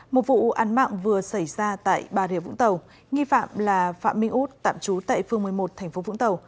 một vụ án mạng vừa xảy ra tại bà rìa vũng tàu nghi phạm là phạm minh út tạm trú tại phường một mươi một tp vũng tàu